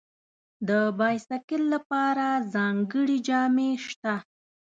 د بایسکل لپاره ځانګړي جامې شته.